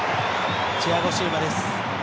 チアゴ・シウバです。